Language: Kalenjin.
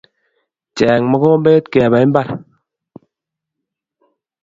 Cheny mokombe kebe mbar